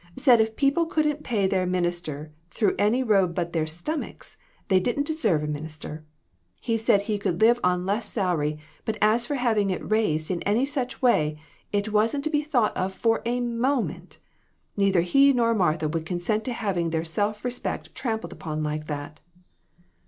Said if people couldn't pay their minister through any road but their stomachs, they didn't deserve a minister. He said he could live on less salary, tfut as for having it raised in any such way, it wasn't to be thought of for a moment. Neither he nor Martha would consent to having their self respect trampled upon like that."